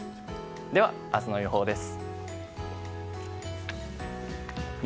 では、明日の予報です。